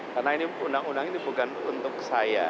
karena undang undang ini bukan untuk saya